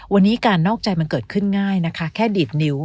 วันนี้การนอกใจมันเกิดขึ้นง่ายนะคะแค่ดีดนิ้ว